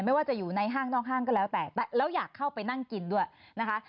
ไม่ว่าจะอยู่ในห้างนอกห้างก็แล้วแต่แล้วอยากเข้าไปนั่งกินด้วยนะคะ